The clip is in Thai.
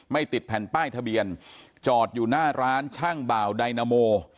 ติดแผ่นป้ายทะเบียนจอดอยู่หน้าร้านช่างบ่าวไดนาโม